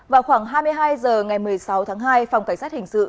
vào khoảng hai mươi hai h ngày một mươi sáu tháng hai phòng cảnh sát hình sự